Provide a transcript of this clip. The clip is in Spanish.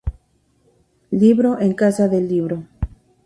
Libro en casa del libro